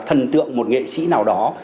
thần tượng một nghệ sĩ nào đó